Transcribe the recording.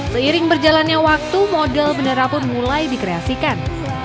seiring berjalannya waktu model bendera pun mulai dikreasikan